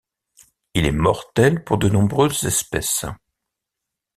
Il est mortel pour de nombreuses espèces.